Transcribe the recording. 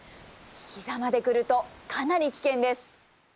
膝までくると、かなり危険です。